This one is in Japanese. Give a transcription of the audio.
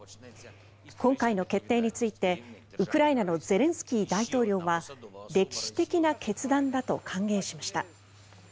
今回の決定についてウクライナのゼレンスキー大統領は歴史的な決断だと歓迎しました。